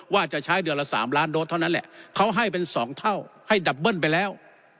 ว่าจะใช้เดือนละ๓ล้านโดสเท่านั้นแหละเขาให้เป็น๒เท่าให้ดับเบิ้ลไปแล้ว